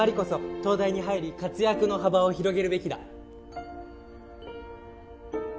「東大に入り活躍の幅を広げるべきだ」